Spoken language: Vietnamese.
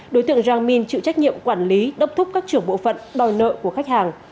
đối tượng giang minh chịu trách nhiệm quản lý đốc thúc các trưởng bộ phận đòi nợ của khách hàng